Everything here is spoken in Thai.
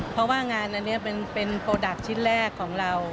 เพราะว่างานอันนี้เป็นโปรดักต์ชิ้นแรกของเรา